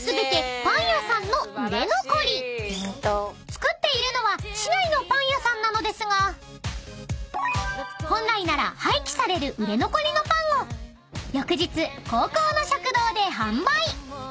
［作っているのは市内のパン屋さんなのですが本来なら廃棄される売れ残りのパンを翌日高校の食堂で販売］